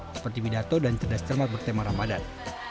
seperti pidato dan cerdas cermat bertema ramadan